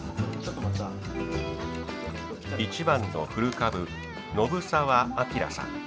一番の古株信澤昂さん。